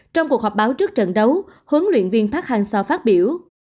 trong cuộc họp báo trước trận đấu huấn luyện viên park hang seo phát biểu